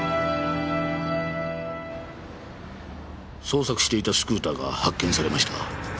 捜索していたスクーターが発見されました。